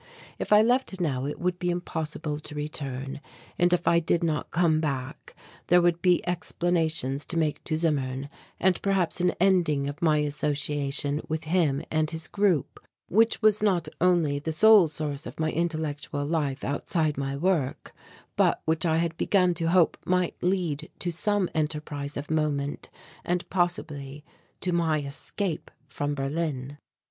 If I left now it would be impossible to return, and if I did not come back, there would be explanations to make to Zimmern and perhaps an ending of my association with him and his group, which was not only the sole source of my intellectual life outside my work, but which I had begun to hope might lead to some enterprise of moment and possibly to my escape from Berlin.